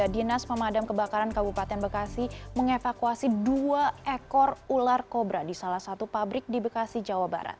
dinas pemadam kebakaran kabupaten bekasi mengevakuasi dua ekor ular kobra di salah satu pabrik di bekasi jawa barat